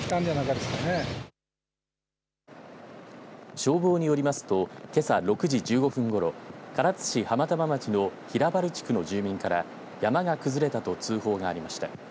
消防によりますと今朝６時１５分ごろ唐津市浜玉町の平原地区の住民から山が崩れたと通報がありました。